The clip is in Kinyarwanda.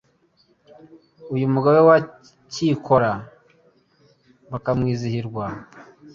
Uyu Mugabe wa Cyikora Bakamwizihirwa .